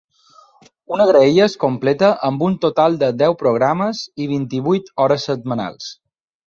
La graella es completa amb un total de deu programes i vint-i-vuit hores setmanals.